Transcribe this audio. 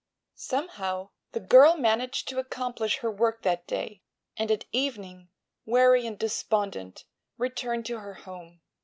Somehow the girl managed to accomplish her work that day and at evening, weary and despondent, returned to her home.